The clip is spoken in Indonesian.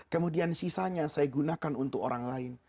kemudian sisanya saya gunakan untuk orang lain